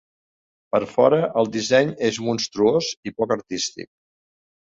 Per fora el disseny és monstruós i poc artístic.